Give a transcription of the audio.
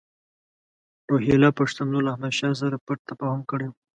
روهیله پښتنو له احمدشاه سره پټ تفاهم کړی وو.